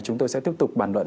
chúng tôi sẽ tiếp tục bản luận